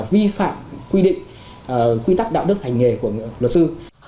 vi phạm quy định quy tắc đạo đức hành nghề của luật sư